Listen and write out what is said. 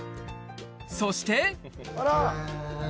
そして。